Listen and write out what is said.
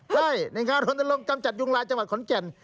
ใช่ในงานรณรงค์กำจัดยุงลายจังหวัดขอนแก่น